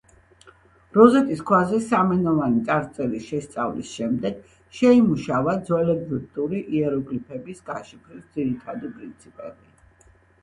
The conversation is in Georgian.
როზეტის ქვაზე სამენოვანი წარწერის შესწავლის შემდეგ შეიმუშავა ძველეგვიპტური იეროგლიფების გაშიფვრის ძირითადი პრინციპები.